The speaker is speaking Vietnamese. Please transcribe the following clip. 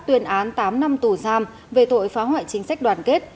tuyên án tám năm tù giam về tội phá hoại chính sách đoàn kết